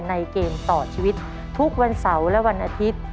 เกมต่อชีวิตทุกวันเสาร์และวันอาทิตย์